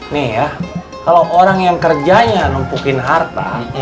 nih ya kalau orang yang kerjanya numpukin harta